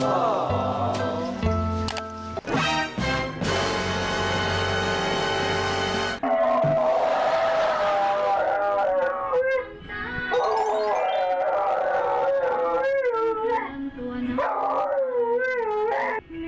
ผมอยาก